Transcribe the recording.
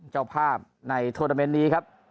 เจ้าภาพในโทรนาเมนต์นี้ครับ